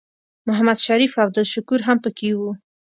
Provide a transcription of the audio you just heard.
محمد شریف او عبدالشکور هم پکې وو.